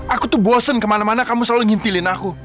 aku tuh bosen kemana mana kamu selalu nyintilin aku